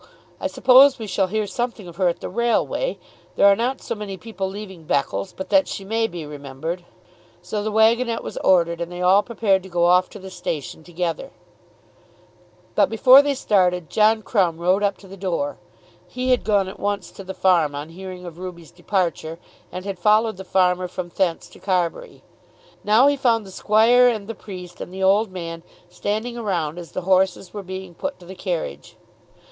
I suppose we shall hear something of her at the railway. There are not so many people leaving Beccles but that she may be remembered." So the waggonette was ordered, and they all prepared to go off to the station together. But before they started John Crumb rode up to the door. He had gone at once to the farm on hearing of Ruby's departure, and had followed the farmer from thence to Carbury. Now he found the squire and the priest and the old man standing around as the horses were being put to the carriage.